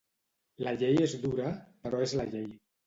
La llei és dura, però és la llei.